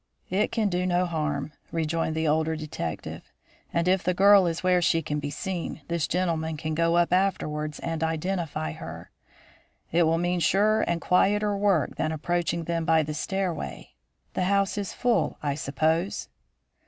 "It can do no harm," rejoined the older detective; "and if the girl is where she can be seen, this gentleman can go up afterwards and identify her. It will mean surer and quieter work than approaching them by the stairway. The house is full, I suppose?"